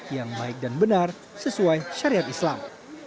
yang baik dan benar sesuai syariat islam